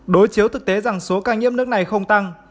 đối chiếu thực tế rằng số ca nhiễm nước này không tăng